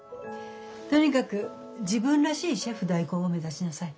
とにかく自分らしいシェフ代行を目指しなさい。